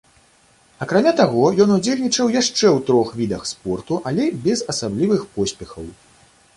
Акрамя таго, ён удзельнічаў яшчэ ў трох відах спорту, але без асаблівых поспехаў.